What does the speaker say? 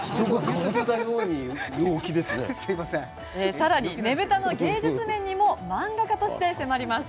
さらに、ねぶたの芸術面にも漫画家として迫ります。